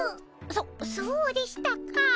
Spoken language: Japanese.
そそうでしたか。